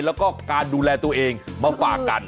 แล้วก็การดูแลตัวเองมาฝากกัน